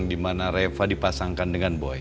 dimana reva dipasangkan dengan boy